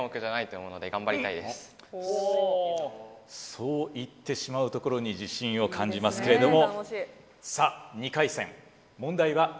そう言ってしまうところに自信を感じますけれどもさあ２回戦。